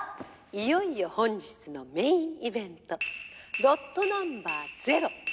いよいよ本日のメインイベントロットナンバー０